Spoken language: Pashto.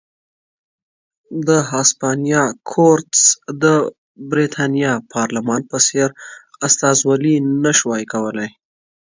د هسپانیا کورتس د برېټانیا پارلمان په څېر استازولي نه شوای کولای.